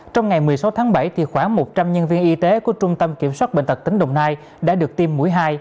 trong ngày một mươi sáu tháng bảy khoảng một trăm linh nhân viên y tế của trung tâm kiểm soát bệnh tật tỉnh đồng nai đã được tiêm mũi hai